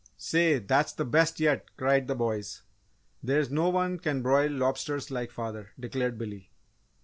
"Say, that's the best yet!" cried the boys. "There's no one can broil lobsters like father!" declared Billy.